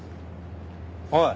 おい。